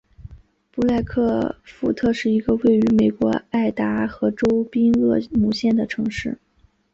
布莱克富特是一个位于美国爱达荷州宾厄姆县的城市。